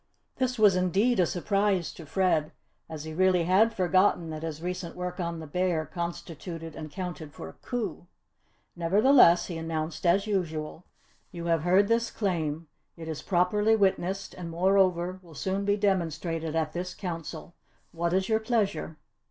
This was indeed a surprise to Fred as he really had forgotten that his recent work on the bear constituted and counted for a coup. Nevertheless, he announced as usual, "You have heard this claim: it is properly witnessed and moreover will soon be demonstrated at this Council what is your pleasure?"